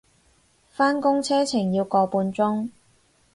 返工車程要個半鐘